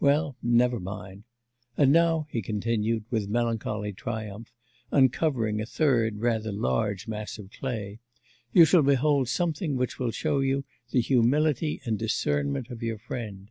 Well, never mind! And now,' he continued, with melancholy triumph, uncovering a third rather large mass of clay, 'you shall behold something which will show you the humility and discernment of your friend.